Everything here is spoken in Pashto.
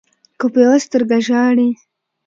که په يوه سترګه ژاړې